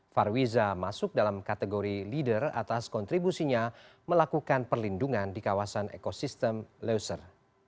farwiza masuk dalam kategori leader atas kontribusinya melakukan perlindungan di kawasan ekosistem leuser